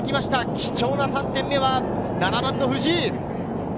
貴重な３点目は７番・藤井。